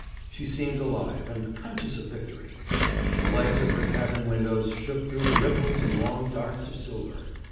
She seemed alive, and conscious of victory. The lights of her cabin windows shook through the ripples in long darts of silver.